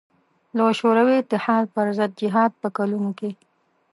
له شوروي اتحاد پر ضد جهاد په کلونو کې.